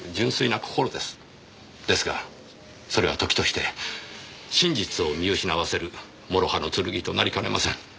ですがそれは時として真実を見失わせる諸刃の剣となりかねません。